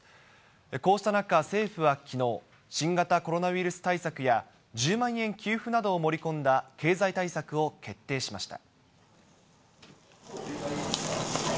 こうした中、政府はきのう、新型コロナウイルス対策や、１０万円給付などを盛り込んだ経済対策を決定しました。